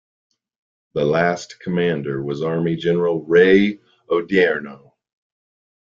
The last commander was Army General Ray Odierno.